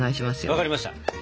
分かりました。